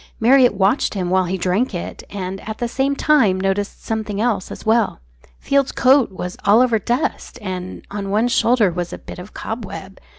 Marriott watched him while he drank it, and at the same time noticed something else as well Field's coat was all over dust, and on one shoulder was a bit of cobweb.